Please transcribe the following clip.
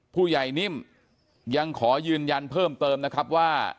ผู้ใหญ่นิ่มยังขอยืนยันเพิ่มเติมนะครับว่า